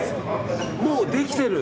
もうできてる！